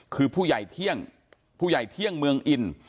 คือผู้ใหญ่เที่ยงผู้ใหญ่เที่ยงเมืองอิน